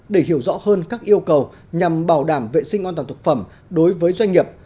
để hiểu rõ hơn các yêu cầu nhằm bảo đảm vệ sinh an toàn thực phẩm đối với doanh nghiệp